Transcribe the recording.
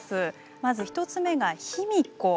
まず一つ目が卑弥呼。